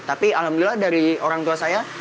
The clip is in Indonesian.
tapi alhamdulillah dari orang tua saya